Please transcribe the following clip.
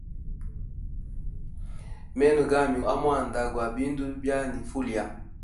Meno gami go yuma amwanda gwa bindu bya nifa ulya.